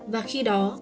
và khi đó